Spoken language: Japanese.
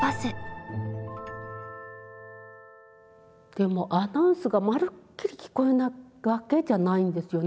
でもアナウンスがまるっきり聞こえないわけじゃないんですよね。